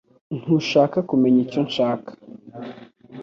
Ntushaka kumenya icyo nshaka